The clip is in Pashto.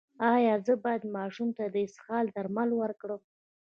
ایا زه باید ماشوم ته د اسهال درمل ورکړم؟